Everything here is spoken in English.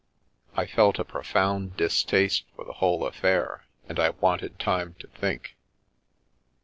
I felt a profound distaste for the whole affair, and I wanted time to think.